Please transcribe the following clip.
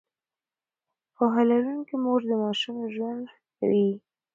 پوهه لرونکې مور د ماشوم ژوند ښه کوي.